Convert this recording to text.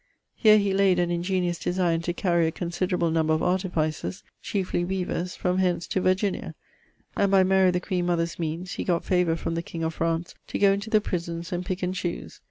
Here he layd an ingeniose designe to carry a considerable number of artificers (chiefly weavers) from hence to Virginia; and by Mary the queen mother's meanes, he got favour from the king of France to goe into the prisons and pick and choose.